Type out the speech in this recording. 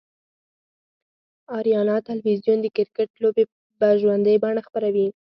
آریانا تلویزیون دکرکټ لوبې به ژوندۍ بڼه خپروي